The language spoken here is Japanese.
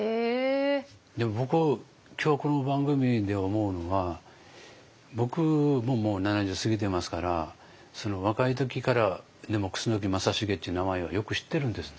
でも僕今日この番組で思うのは僕ももう７０過ぎてますから若い時から楠木正成っていう名前はよく知ってるんです。